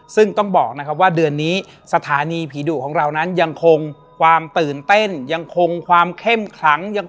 ซึ่งต้องบอกนะครับว่าเดือนนี้สถานีผีดูกของเรานั้นยังคงความตื่นเต้น